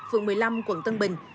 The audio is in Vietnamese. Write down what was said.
phường một mươi năm quận tân bình